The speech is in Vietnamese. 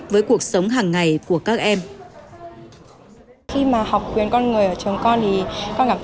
nội dung của trình bày của con đến đây là hết ạ con xin cảm ơn ạ